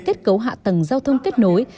kết cấu hạ tầng giao thông kết nối